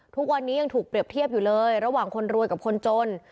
ทุกวันนี้ยังถูกเปรียบเทียบอยู่เลยระหว่างคนรวยกับคนจน